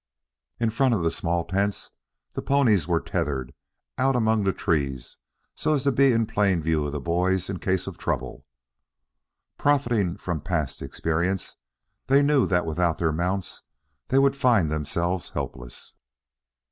In front of the small tents the ponies were tethered out among the trees so as to be in plain view of the boys in case of trouble. Profiting from past experiences, they knew that without their mounts they would find themselves helpless.